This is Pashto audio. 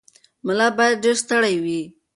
ملا باید ډېر ستړی وي.